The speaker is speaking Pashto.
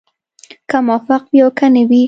که موفق وي او که نه وي.